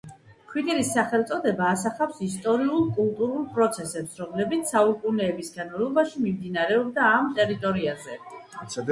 ქვიტირის სახელწოდება ასახავს ისტორიულ-კულტურულ პროცესებს, რომლებიც საუკუნეების განმავლობაში მიმდინარეობდა ამ ტერიტორიაზე.